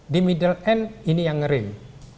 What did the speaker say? di middle end ini yang ngering